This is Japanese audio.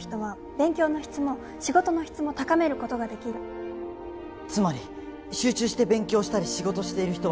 「勉強の質も仕事の質も高めることができる」「つまり集中して勉強したり仕事している人は」